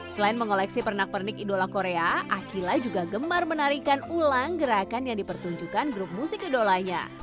selain mengoleksi pernak pernik idola korea akila juga gemar menarikan ulang gerakan yang dipertunjukkan grup musik idolanya